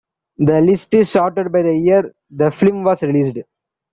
The list is sorted by the year the film was released.